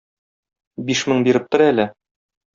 Биш мең биреп тор әле.